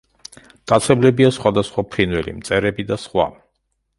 მტაცებლებია სხვადასხვა ფრინველი, მწერები და სხვა.